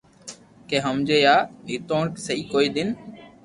ڪي ھمجي جا نيتوڻ سھي ڪوئي نن